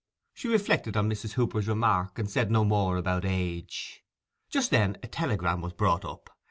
She reflected on Mrs. Hooper's remark, and said no more about age. Just then a telegram was brought up.